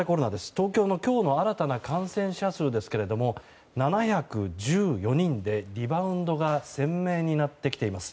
東京の今日の新たな感染者数ですが７１４人でリバウンドが鮮明になってきています。